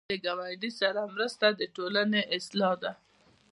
د ګاونډي سره مرسته د ټولنې اصلاح ده